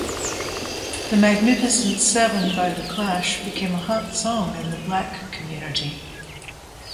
"The Magnificent Seven" by the Clash became a hot song in the Black Community.